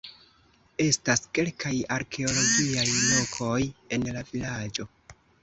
Estas kelkaj arkeologiaj lokoj en la vilaĝo.